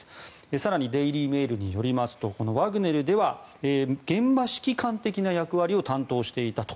更にデイリー・メールによりますとこのワグネルでは現場指揮官的な役割を担当していたと。